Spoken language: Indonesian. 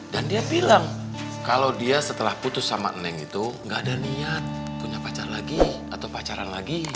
dan dia bilang kalau dia setelah putus sama neng itu enggak ada niat punya pacar lagi atau pacaran lagi